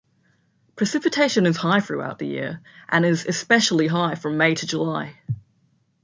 Precipitation is high throughout the year, and is especially high from May to July.